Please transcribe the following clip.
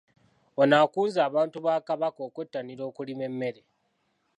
Ono akunze abantu ba Kabaka okwettanira okulima emmere.